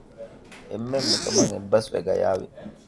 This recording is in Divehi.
އެންމެން މިކަމަށް އެއްބަސް ވެ ގަޔާވި